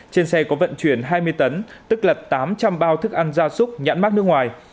trên xe có vận chuyển hai mươi tấn tức là tám trăm linh bao thức ăn gia súc nhãn mát nước ngoài